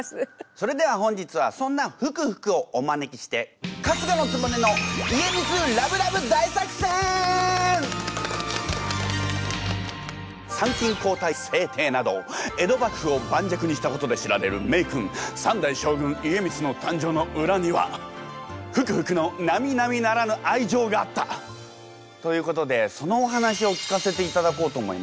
それでは本日はそんなふくふくをお招きして参勤交代制定など江戸幕府を盤石にしたことで知られる名君三代将軍家光の誕生の裏にはふくふくのなみなみならぬ愛情があったということでそのお話を聞かせていただこうと思います。